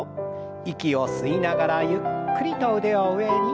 息を吸いながらゆっくりと腕を上に。